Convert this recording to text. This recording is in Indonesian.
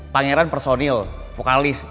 pangeran personil vokalis